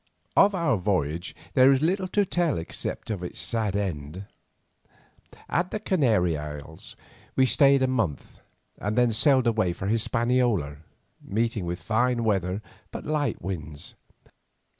Of our voyage there is little to tell except of its sad end. At the Canary Isles we stayed a month, and then sailed away for Hispaniola, meeting with fine weather but light winds.